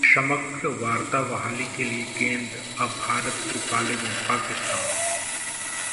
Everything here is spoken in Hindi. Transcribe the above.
समग्र वार्ता बहाली के लिए गेंद अब भारत के पाले में: पाकिस्तान